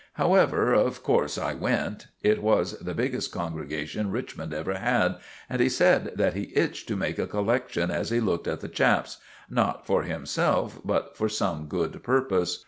However, of course I went. It was the biggest congregation Richmond ever had, and he said that he itched to make a collection as he looked at the chaps—not for himself but for some good purpose.